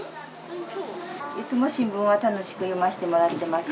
いつも新聞は楽しく読ませてもらってます。